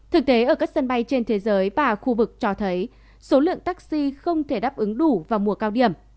thực tế ở các sân bay trên thế giới và khu vực cho thấy số lượng taxi không thể đáp ứng đủ vào mùa cao điểm